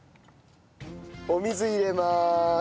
お水入れまーす。